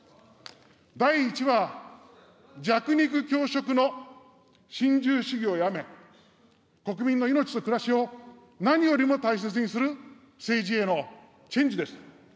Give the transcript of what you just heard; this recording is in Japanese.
第１は、弱肉強食の新自由主義をやめ、国民の命と暮らしを何よりも大切にする政治へのチェンジです。